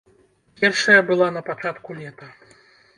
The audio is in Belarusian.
Першая была на пачатку лета.